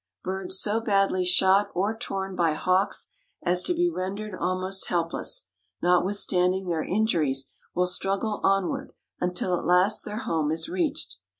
Birds so badly shot or torn by hawks as to be rendered almost helpless, notwithstanding their injuries will struggle onward until at last their home is reached.